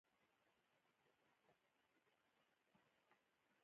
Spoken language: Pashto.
بامیان د افغانستان د ولایاتو په کچه یو توپیر لري.